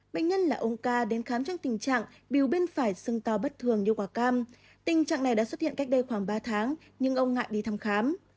bệnh nhân là ông ca đến khám trong tình trạng biểu bên phải sưng to bất thường như quả cam tình trạng này đã xuất hiện cách đây khoảng ba tháng nhưng ông ngại đi thăm khám